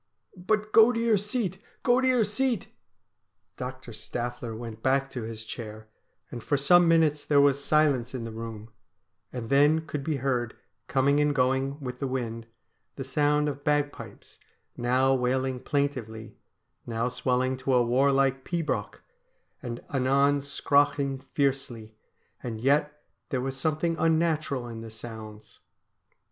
' But go to your seat ! go to your seat !' Dr. Staffler went back to his chair, and for some minutes there was silence in the room ; and then could be heard, coming and going, with the wind, the sound of bagpipes, now wailing plaintively, now swelling to a warlike pibroch, and anon scraughing fiercely ; and yet there was something un natural in the sounds.